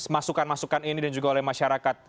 masukan masukan ini dan juga oleh masyarakat